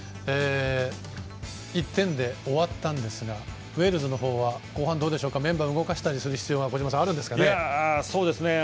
１点で終わったんですがウェールズの方は後半どうでしょうかメンバー動かしたりする必要があるんでしょうか？